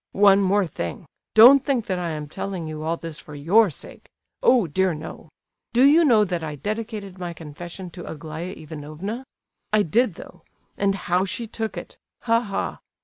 One more thing—don't think that I am telling you all this for your sake. Oh, dear, no! Do you know that I dedicated my confession to Aglaya Ivanovna? I did though, and how she took it, ha, ha!